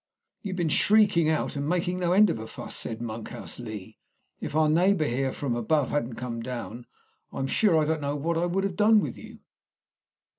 "You've been shrieking out and making no end of a fuss," said Monkhouse Lee. "If our neighbour here from above hadn't come down, I'm sure I don't know what I should have done with you."